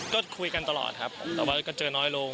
ก็คุยกันตลอดครับแต่ว่าก็เจอน้อยลง